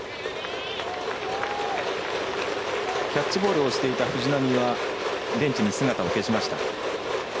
キャッチボールをしていた藤浪はベンチに姿を消しました。